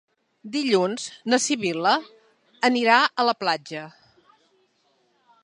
Dilluns na Sibil·la anirà a la platja.